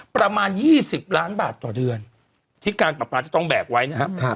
ประมาณ๒๐ล้านบาทต่อเดือนที่การปราปาจะต้องแบกไว้นะครับ